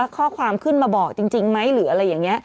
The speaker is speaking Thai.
ข้อความขึ้นมาบอกจริงมั้ย